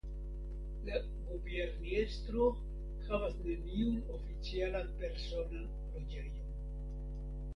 La guberniestro havas neniun oficialan personan loĝejon.